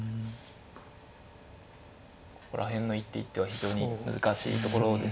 ここら辺の一手一手は非常に難しいところですね。